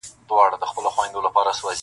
• ملنګه ! د دریاب دوه غاړې چېرې دي یو شوي -